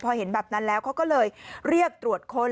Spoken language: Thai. พอเห็นแบบนั้นแล้วเขาก็เลยเรียกตรวจค้น